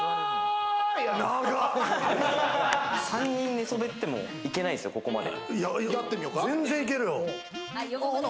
３人寝そべっても、いけないですよ、ここまで。